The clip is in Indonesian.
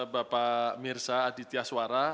bapak mirza aditya swara